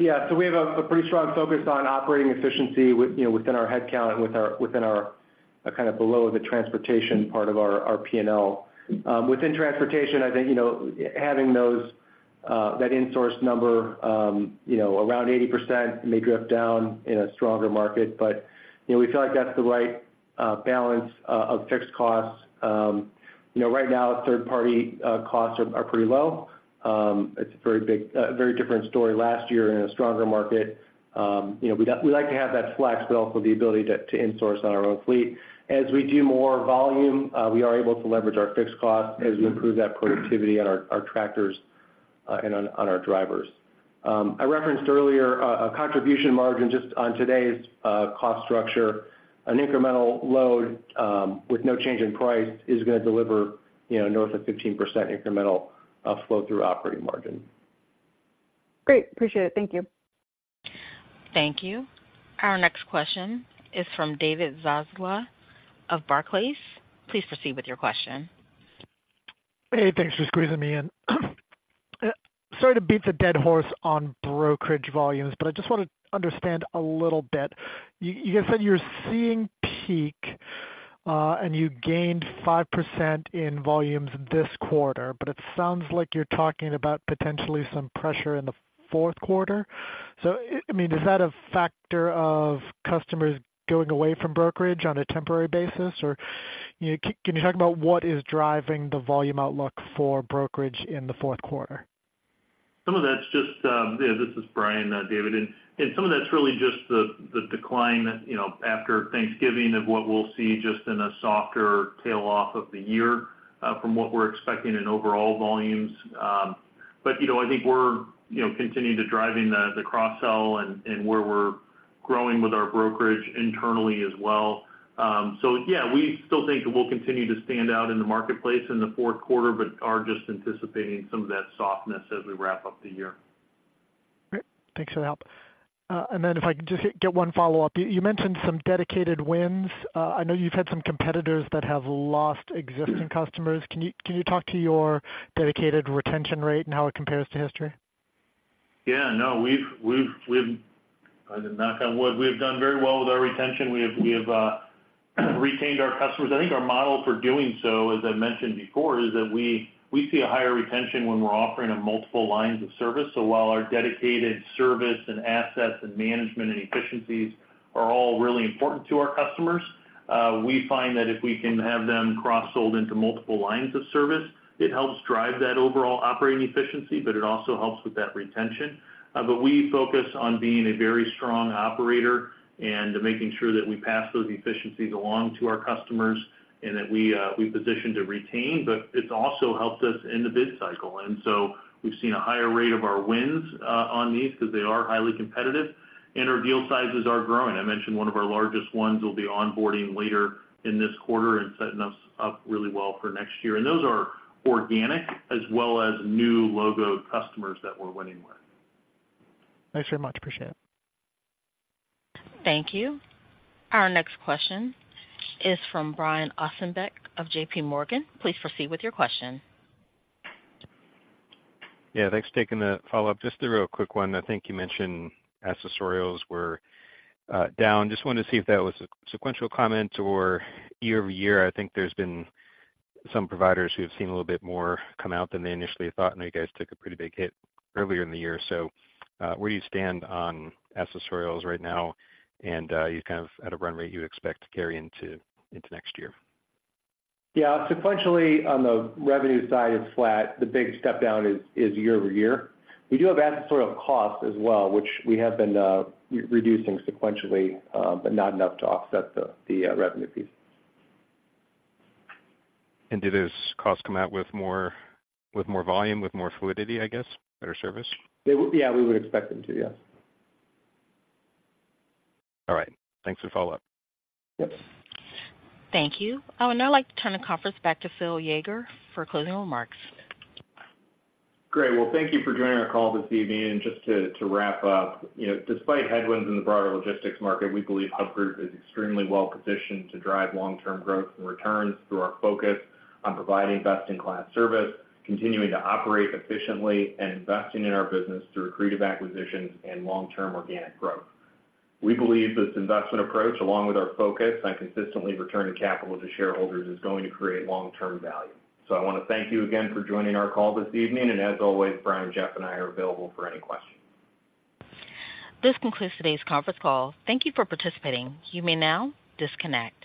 Yeah. So we have a pretty strong focus on operating efficiency with, you know, within our headcount, within our kind of below the transportation part of our P&L. Within transportation, I think, you know, having those, that insourced number, you know, around 80% may drift down in a stronger market, but, you know, we feel like that's the right balance of fixed costs. You know, right now, third-party costs are pretty low. It's a very big, very different story last year in a stronger market. You know, we like to have that flex, but also the ability to insource on our own fleet. As we do more volume, we are able to leverage our fixed costs as we improve that productivity on our tractors, and on our drivers. I referenced earlier, a contribution margin just on today's cost structure. An incremental load, with no change in price, is going to deliver, you know, north of 15% incremental, flow-through operating margin. Great. Appreciate it. Thank you. Thank you. Our next question is from David Zazula of Barclays. Please proceed with your question.... Hey, thanks for squeezing me in. Sorry to beat the dead horse on brokerage volumes, but I just want to understand a little bit. You guys said you're seeing peak, and you gained 5% in volumes this quarter, but it sounds like you're talking about potentially some pressure in the fourth quarter. So, I mean, is that a factor of customers going away from brokerage on a temporary basis? Or, you know, can you talk about what is driving the volume outlook for brokerage in the fourth quarter? Some of that's just... Yeah, this is Brian, David, and some of that's really just the decline, you know, after Thanksgiving of what we'll see just in a softer tail off of the year, from what we're expecting in overall volumes. But, you know, I think we're, you know, continuing to driving the cross-sell and where we're growing with our brokerage internally as well. So yeah, we still think that we'll continue to stand out in the marketplace in the fourth quarter, but are just anticipating some of that softness as we wrap up the year. Great. Thanks for the help. And then if I could just get one follow-up. You mentioned some dedicated wins. I know you've had some competitors that have lost existing customers. Can you talk to your dedicated retention rate and how it compares to history? Yeah, no, we've knock on wood, we've done very well with our retention. We have retained our customers. I think our model for doing so, as I mentioned before, is that we see a higher retention when we're offering multiple lines of service. So while our dedicated service and assets and management and efficiencies are all really important to our customers, we find that if we can have them cross-sold into multiple lines of service, it helps drive that overall operating efficiency, but it also helps with that retention. But we focus on being a very strong operator and making sure that we pass those efficiencies along to our customers and that we position to retain, but it's also helped us in the bid cycle. We've seen a higher rate of our wins on these because they are highly competitive, and our deal sizes are growing. I mentioned one of our largest ones will be onboarding later in this quarter and setting us up really well for next year. Those are organic as well as new logo customers that we're winning with. Thanks very much. Appreciate it. Thank you. Our next question is from Brian Ossenbeck of J.P. Morgan. Please proceed with your question. Yeah, thanks for taking the follow-up. Just a real quick one. I think you mentioned accessorials were down. Just wanted to see if that was a sequential comment or year-over-year. I think there's been some providers who have seen a little bit more come out than they initially thought. I know you guys took a pretty big hit earlier in the year. So, where do you stand on accessorials right now, and you kind of at a run rate you expect to carry into, into next year? Yeah. Sequentially, on the revenue side, it's flat. The big step down is year-over-year. We do have accessorial costs as well, which we have been reducing sequentially, but not enough to offset the revenue piece. Do those costs come out with more, with more volume, with more fluidity, I guess, better service? They would... Yeah, we would expect them to. Yeah. All right. Thanks for the follow-up. Yep. Thank you. I would now like to turn the conference back to Phil Yeager for closing remarks. Great. Well, thank you for joining our call this evening. Just to wrap up, you know, despite headwinds in the broader logistics market, we believe Hub Group is extremely well positioned to drive long-term growth and returns through our focus on providing best-in-class service, continuing to operate efficiently, and investing in our business through accretive acquisitions and long-term organic growth. We believe this investment approach, along with our focus on consistently returning capital to shareholders, is going to create long-term value. I want to thank you again for joining our call this evening, and as always, Brian, Geoff, and I are available for any questions. This concludes today's conference call. Thank you for participating. You may now disconnect.